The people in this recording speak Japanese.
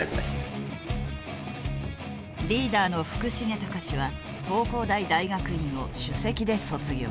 リーダーの福重孝志は東工大大学院を首席で卒業。